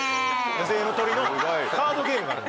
野生の鳥のカードゲームがあるんです。